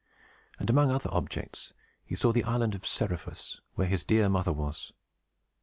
And, among other objects, he saw the island of Seriphus, where his dear mother was.